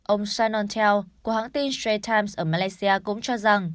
ông shannon tell của hãng tin strait times ở malaysia cũng cho rằng